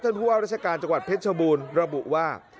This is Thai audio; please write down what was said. ผู้ว่าราชการจังหวัดเพชรชบูรณ์ระบุว่า